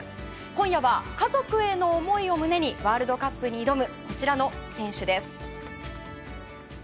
今夜は家族への思いを胸にワールドカップに挑むこちらの選手です。